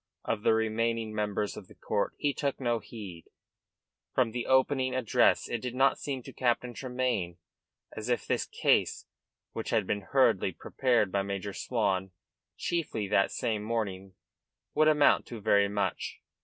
Of the remaining members of the court he took no heed. From the opening address it did not seem to Captain Tremayne as if this case which had been hurriedly prepared by Major Swan, chiefly that same morning would amount to very much.